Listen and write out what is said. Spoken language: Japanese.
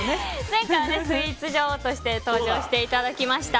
前回はスイーツ女王として登場していただきました。